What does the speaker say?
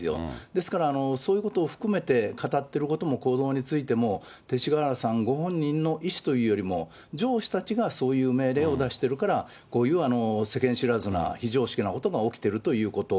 ですから、そういうことも含めて語ってることも、行動についても、勅使河原さんご本人の意思というよりも、上司たちがそういう命令を出しているから、こういう世間知らずな、非常識なことが起きてるということ。